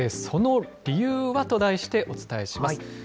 その理由は？と題してお伝えします。